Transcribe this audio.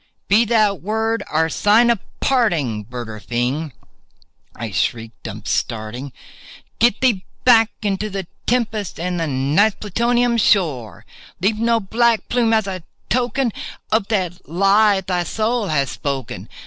"Be that word our sign of parting, bird or fiend!" I shrieked, upstarting— "Get thee back into the tempest and the Night's Plutonian shore! Leave no black plume as a token of that lie thy soul hath spoken!